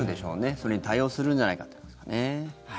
それに対応するんじゃないかということですかね。